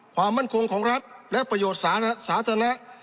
ความมั่นคงของรัฐและประโยชน์สาธารณะ